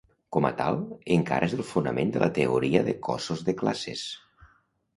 Com a tal, encara és el fonament de la teoria de cossos de classes.